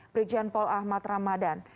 brigjen paul ahmad ramadan